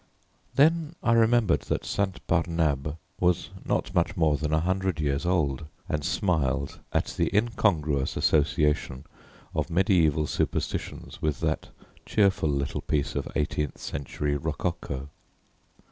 Then I remembered that St. Barnabé was not much more than a hundred years old, and smiled at the incongruous association of mediaeval superstitions with that cheerful little piece of eighteenth century rococo.